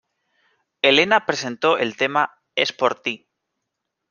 Elena presentó el tema "Es por ti".